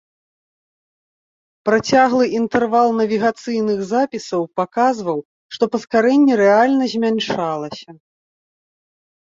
Працяглы інтэрвал навігацыйных запісаў паказваў, што паскарэнне рэальна змяншалася.